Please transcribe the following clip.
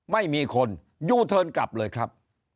ไม่มีคนยูเทิร์นกลับเลยครับ